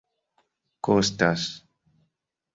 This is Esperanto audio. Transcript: kostas